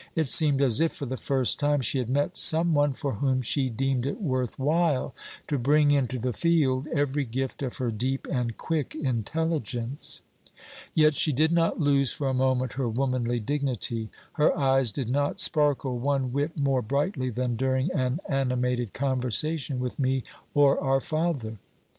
It seemed as if, for the first time, she had met some one for whom she deemed it worth while to bring into the field every gift of her deep and quick intelligence. Yet she did not lose for a moment her womanly dignity; her eyes did not sparkle one whit more brightly than during an animated conversation with me or our father.